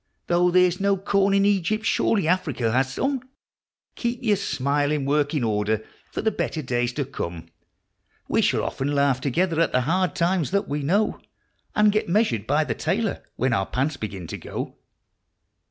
Though there is no corn in Egypt, surely Africa has some Keep your smile in working order for the better days to come ! We shall often laugh together at the hard times that we know, And get measured by the tailor when our pants begin to go.